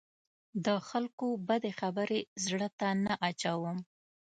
د خلکو بدې خبرې زړه ته نه اچوم.